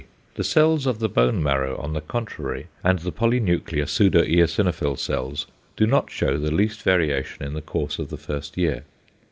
The cells of the bone marrow, on the contrary, and the polynuclear pseudoeosinophil cells do not show the least variation in the course of the first year.